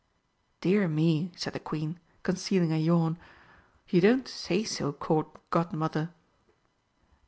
"Dear me," said the Queen, concealing a yawn, "you don't say so, Court Godmother!"